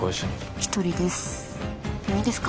一人ですもういいですか？